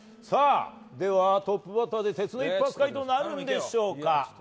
では、トップバッターで一発解答なるんでしょうか。